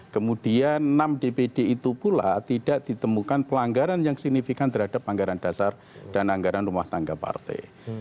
kemudian enam dpd itu pula tidak ditemukan pelanggaran yang signifikan terhadap anggaran dasar dan anggaran rumah tangga partai